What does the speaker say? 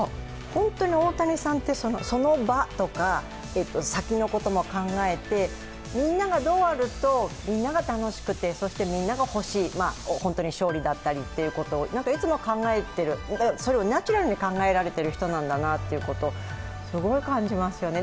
本当に大谷さんってその場とか先のことも考えてみんながどうあるとみんなが楽しくて、そしてみんなが欲しい本当に勝利だったりということをそれをナチュラルに考えられている人なんだなということをすごい感じますよね。